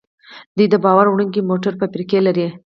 دوی د بار وړونکو موټرو فابریکې لري.